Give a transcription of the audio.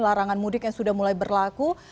larangan mudik yang sudah mulai berlaku